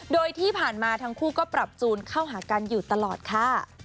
โดยที่ผ่านมาทั้งคู่ก็ปรับจูนเข้าหากันอยู่ตลอดค่ะ